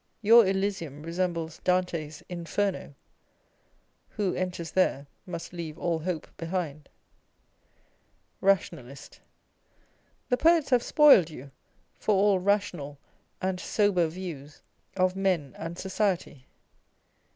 Your Elysium resembles Dante's Inferno â€" " Who enters there must leave all hope behind !" nationalist. The poets have spoiled you for all rational and sober views of men and society.